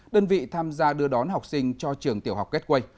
đơn vị tham gia đưa đón học sinh cho trường tiểu học gateway